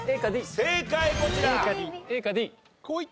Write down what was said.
正解こちら。